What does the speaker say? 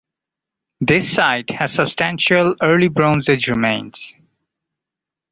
The site has substantial Early Bronze Age remains.